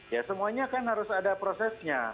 ya semuanya kan harus ada prosesnya